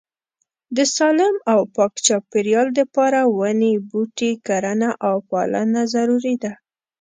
د سالیم او پاک چاپيريال د پاره وني بوټي کرنه او پالنه ضروري ده